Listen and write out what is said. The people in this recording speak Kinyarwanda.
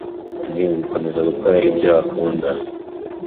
ni ugukomeza gukora ibyo akunda